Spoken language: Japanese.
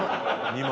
２枚！